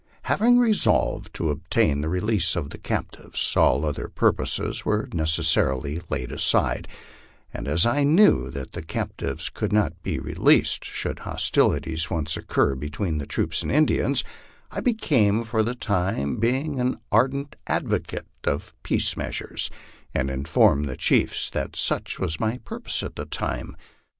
Having resolved to obtain the release of the captives, all other purposes were necessarily laid aside ; and as I knew that the captives could not be released should hostilities once occur between the troops and Indians, I became for the time being an ardent advocate of peace measures, and informed the chiefs that such was my purpose at the time.